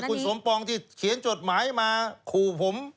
ไม่ใช่คุณสมปองเขียนที่เขียนจดหมายมาขู่ผม